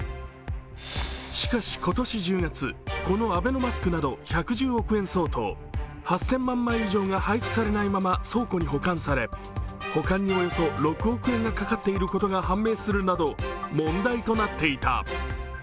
しかし今年１０月、このアベノマスクなど１１０億円相当、８０００万枚以上が配布されないまま倉庫に保管され保管におよそ６億円がかかっていることが判明するなど問題となっていた。